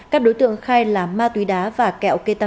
các đối tượng khai là ma túy đá và kẹo kê tăng